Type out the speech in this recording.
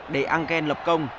để anken lập công